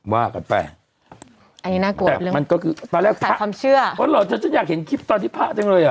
ว่ากันไปอันนี้น่ากลัวแต่มันก็คือตอนแรกภาษาความเชื่อเพราะฉันอยากเห็นคลิปตอนที่พระจังเลยอ่ะ